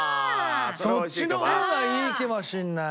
そっちの方がいいかもしれない。